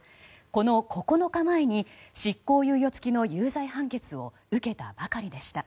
この９日前に執行猶予付きの有罪判決を受けたばかりでした。